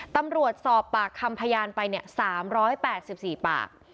ตำรวจสอบปากคำพยานไป๓๘๔ปาก